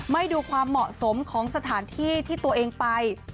ดูความเหมาะสมของสถานที่ที่ตัวเองไป